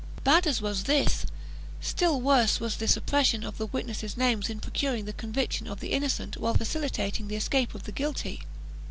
Bad as was this, still worse was the suppression of the witnesses' names in procuring the conviction of the innocent while facilitating the escape of the guilty.